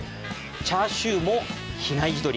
チャーシューも比内地鶏。